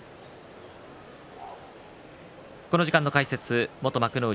この時間の解説元幕内